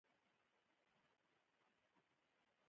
لکه زموږ د کوڅې په څېر لویې کوڅې نشته.